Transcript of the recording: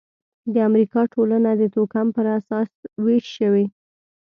د امریکا ټولنه د توکم پر اساس وېش شوې.